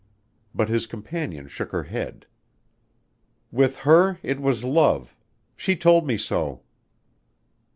But his companion shook her head. "With her it was love. She told me so."